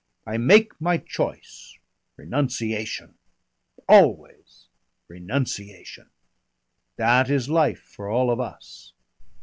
I make my choice.... Renunciation! Always renunciation! That is life for all of us.